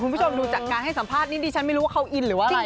คุณผู้ชมดูจากการให้สัมภาษณ์นี้ดิฉันไม่รู้ว่าเขาอินหรือว่าอะไร